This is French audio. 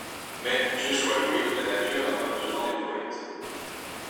Mais, Dieu soit loué, la nature n'a pas besoin des poètes.